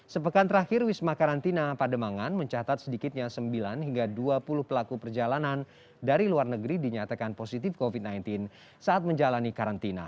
sepekan terakhir wisma karantina pademangan mencatat sedikitnya sembilan hingga dua puluh pelaku perjalanan dari luar negeri dinyatakan positif covid sembilan belas saat menjalani karantina